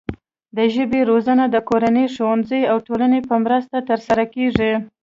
د ژبې روزنه د کورنۍ، ښوونځي او ټولنې په مرسته ترسره کیږي.